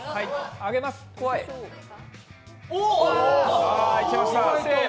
上げます、いきました。